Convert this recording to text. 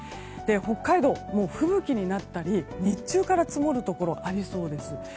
北海道、吹雪になったり日中から積もるところがありそうです。